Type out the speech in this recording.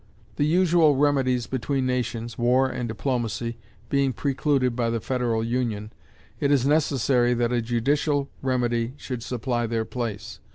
The usual remedies between nations, war and diplomacy, being precluded by the federal union, it is necessary that a judicial remedy should supply their place.